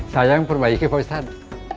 saya yang perbaiki pak ustadz